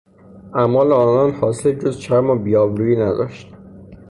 اعمال آنان حاصلی جز شرم و بیآبرویی نداشت.